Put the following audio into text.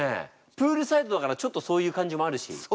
プールサイドだからちょっとそういう感じもあるし。